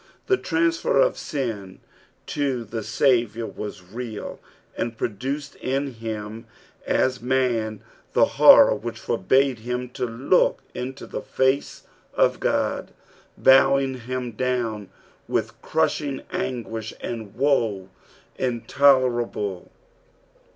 The transfer of sin to the Saviour was real, and produced iu him us man the horroi which forbade him to look into the face of God, bowing him down with crushing anguish and woe intoler able.